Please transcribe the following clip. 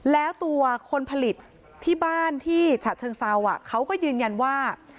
แล้วตัวคนผลิตที่บ้านที่ฉะเชิงเซาเขาก็ยืนยันว่า